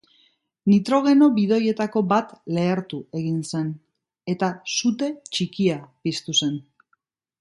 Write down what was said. Nitrogeno bidoietako bat lehertu egin zen, eta sute txikia piztu zen.